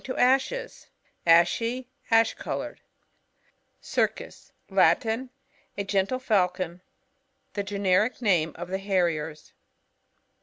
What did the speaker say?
I to ashes ; ashy ; ash t coloured. Circus. — Latin. A gtntle Falcon. The generic name of the Harriers.